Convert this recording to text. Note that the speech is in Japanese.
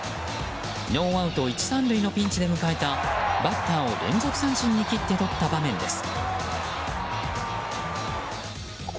ノーアウト１、３塁のピンチで迎えたバッターを連続三振に切ってとった場面です。